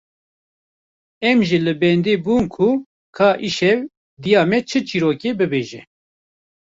Em jî li bendê bûn ku ka îşev diya me çi çîrokê bibêje